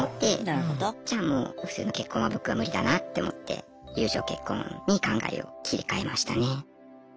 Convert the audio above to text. じゃあもう普通の結婚は僕は無理だなって思って友情結婚に考えを切り替えましたね。